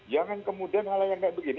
jangan kemudian hal hal yang tidak begini